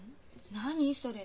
何それ？